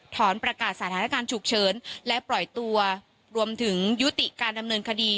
ถอนประกาศสถานการณ์ฉุกเฉินและปล่อยตัวรวมถึงยุติการดำเนินคดี